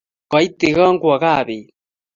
Koitigon kwo kaa bet